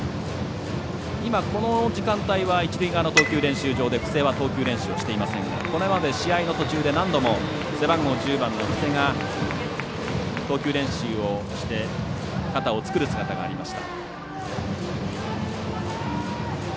この時間帯は一塁側の投球練習場で布施は投球練習をしていませんがこれまで試合の途中で何度も背番号１０番の布施が、投球練習をして肩を作る姿がありました。